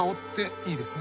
いいですね。